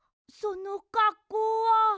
そのかっこうは。